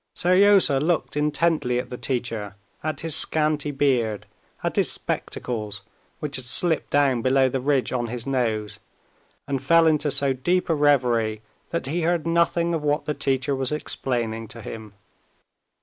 Seryozha looked intently at the teacher, at his scanty beard, at his spectacles, which had slipped down below the ridge on his nose, and fell into so deep a reverie that he heard nothing of what the teacher was explaining to him.